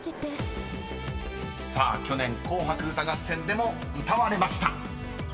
［さあ去年『紅白歌合戦』でも歌われました］